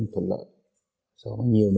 khác biệt rất nhiều